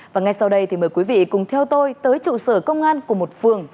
và ngay sau đây thì mời quý vị cùng theo tôi tới trụ sở công an của một phường